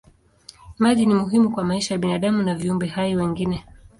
Maji ni muhimu kwa maisha ya binadamu na viumbe hai wengine.